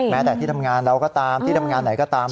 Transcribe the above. แม้แต่ที่ทำงานเราก็ตามที่ทำงานไหนก็ตาม